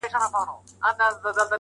صوفي پرېښودې خبري د اورونو.!